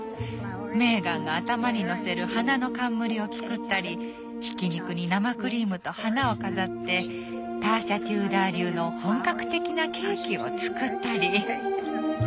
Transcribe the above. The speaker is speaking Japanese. メーガンが頭に載せる花の冠を作ったりひき肉に生クリームと花を飾ってターシャ・テューダー流の本格的なケーキを作ったり。